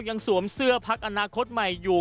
สวมเสื้อพักอนาคตใหม่อยู่